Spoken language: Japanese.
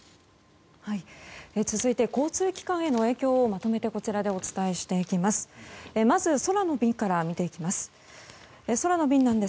続いて交通機関への影響をまとめてお伝えしていきます。